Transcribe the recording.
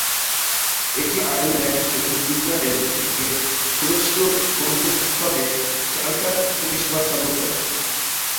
এটি আয়ারল্যান্ড এবং ইসরায়েল থেকে ক্রোয়েশীয় গন্তব্যস্থলে চার্টার পরিষেবা চালু করে।